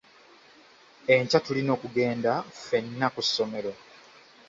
Enkya tulina okugenda ffenna ku ssomero.